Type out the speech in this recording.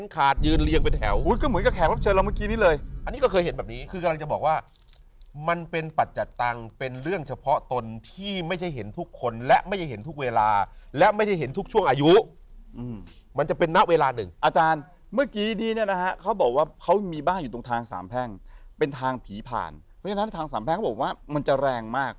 ทางสามแพงเป็นทางผีผ่านเพราะฉะนั้นทางสามแพงเขาบอกว่ามันจะแรงมาก